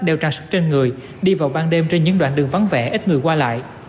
đeo trang sức trên người đi vào ban đêm trên những đoạn đường vắng vẻ ít người qua lại